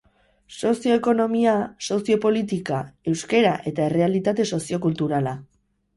Sozio-ekonomia, sozio-politika, euskara eta errealitate sozio-kulturala.